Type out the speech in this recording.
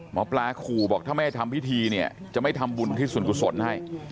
หมอปลาขู่บอกถ้าไม่ให้ทำพิธีเนี่ยจะไม่ทำบุญที่ส่วนกุศลให้